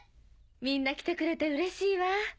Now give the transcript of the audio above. みんな来てくれてうれしいわ。